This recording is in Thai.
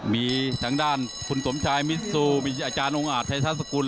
มีทั้งด้านคุณสมชายมิสุอาจารย์องอาจไทยสันสกุล